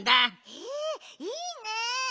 へえいいね。